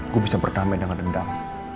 gue bisa berdamai dengan dendam